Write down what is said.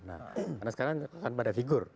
karena sekarang bukan pada figur